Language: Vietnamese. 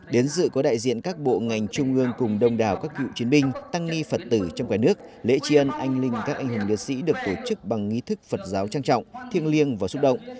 đến dự có đại diện các bộ ngành trung ương cùng đông đảo các cựu chiến binh tăng ni phật tử trong cả nước lễ tri ân anh linh các anh hùng liệt sĩ được tổ chức bằng nghi thức phật giáo trang trọng thiêng liêng và xúc động